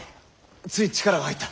つい力が入った。